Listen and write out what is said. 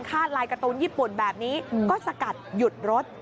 คาดลายการ์ตูนญี่ปุ่นแบบนี้ก็สกัดหยุดรถ